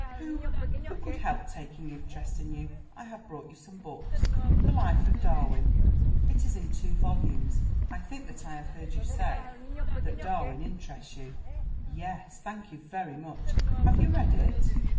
Who—who could help taking interest in you? I have brought you some books—the Life of Darwin—it is in two volumes. I think that I have heard you say that Darwin interests you?" "Yes, thank you very much. Have you read it?"